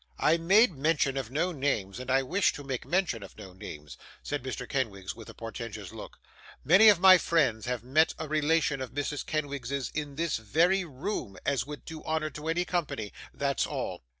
'I made mention of no names, and I wish to make mention of no names,' said Mr. Kenwigs, with a portentous look. 'Many of my friends have met a relation of Mrs. Kenwigs's in this very room, as would do honour to any company; that's all.